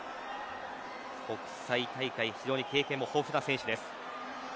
国際大会、非常に経験も豊富な選手です。